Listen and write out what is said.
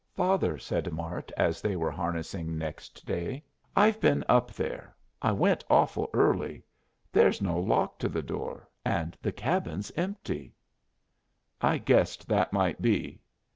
"Father," said Mart, as they were harnessing next day, "I've been up there. I went awful early. There's no lock to the door, and the cabin's empty." "I guessed that might be."